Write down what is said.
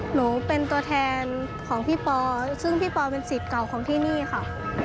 หนูเป็นตัวแทนของพี่ปอซึ่งพี่ปอเป็นสิทธิ์เก่าของที่นี่ค่ะ